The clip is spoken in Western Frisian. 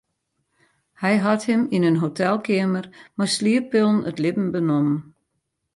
Hy hat him yn in hotelkeamer mei slieppillen it libben benommen.